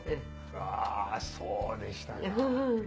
あそうでしたか。